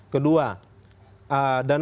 kedua dana seharga